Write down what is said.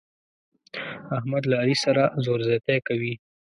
احمد له علي سره زور زیاتی کوي.